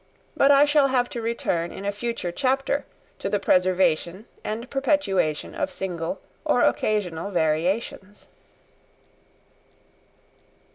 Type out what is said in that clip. But I shall have to return in a future chapter to the preservation and perpetuation of single or occasional variations.